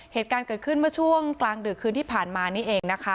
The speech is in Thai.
เหตุการณ์เกิดขึ้นเมื่อช่วงกลางดึกคืนที่ผ่านมานี่เองนะคะ